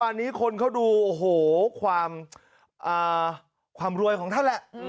วันนี้คนเขาดูโอ้โหความอ่าความรวยของท่านแหละอืม